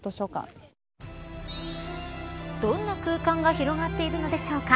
どんな空間が広がっているのでしょうか。